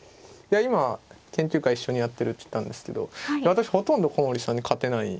今研究会一緒にやってるって言ったんですけど私ほとんど古森さんに勝てない。